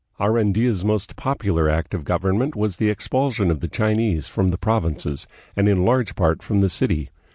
Arandia's most popular act of government was the expulsion of the Chinese from the provinces, and in large part from the city.